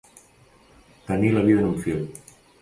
Tenir la vida en un fil.